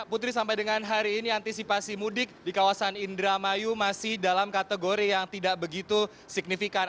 putri sampai dengan hari ini antisipasi mudik di kawasan indramayu masih dalam kategori yang tidak begitu signifikan